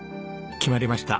決まりました。